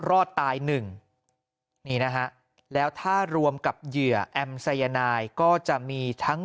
รอดตายหนึ่งนี่นะฮะแล้วถ้ารวมกับเหยื่อแอมสายนายก็จะมีทั้ง